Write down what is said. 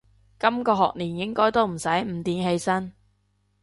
今個學年應該都唔使五點起身